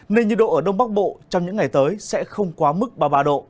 nên nhiệt độ ở đông bắc bộ trong những ngày tới sẽ không quá mức ba mươi ba độ